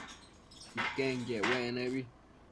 Iquenquiec uec nebi